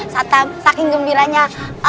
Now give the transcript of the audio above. satam saking gembiranya